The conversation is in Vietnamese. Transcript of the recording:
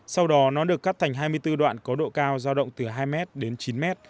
sau đó nó được cắt thành hai mươi bốn đoạn có độ cao giao động từ hai m đến chín m